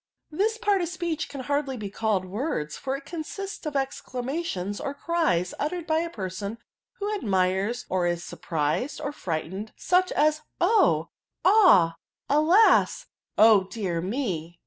" This part of speech can hardly be called words; for it consists of exclamations, or cries, uttered by a person who admires, or is surprised, or £rightened, such as, oh I ah! alas i O dear me